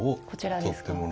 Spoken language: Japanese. こちらですか。